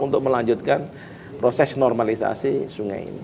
untuk melanjutkan proses normalisasi